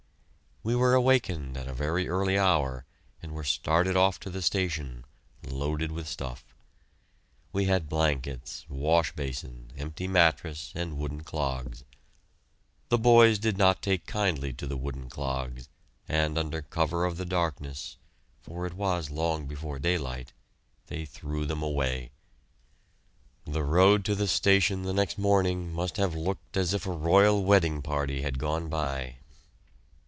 We were awakened at a very early hour and were started off to the station, loaded with stuff. We had blankets, wash basin, empty mattress, and wooden clogs. The boys did not take kindly to the wooden clogs, and under cover of the darkness for it was long before daylight they threw them away. The road to the station the next morning must have looked as if a royal wedding party had gone by.